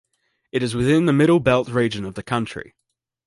It is within in the Middle Belt region of the country.